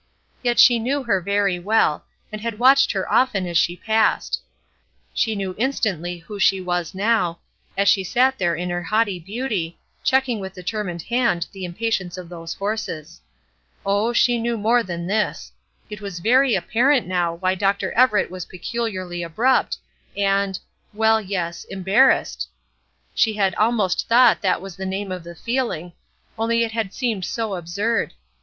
Yet she knew her very well, and had watched her often as she passed. She knew instantly who she was now, as she sat there in her haughty beauty, checking with determined hand the impatience of those horses. Oh, she knew more than this! It was very apparent now why Dr. Everett was peculiarly abrupt, and well, yes embarrassed. She had almost thought that was the name of the feeling, only it had seemed so absurd.